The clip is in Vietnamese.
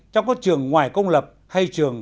trong các trường ngoài công lập hay trường